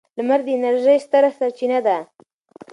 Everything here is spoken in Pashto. لمر د انرژۍ ستره سرچینه ده.